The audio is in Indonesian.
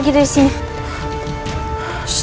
kepala kujang kempar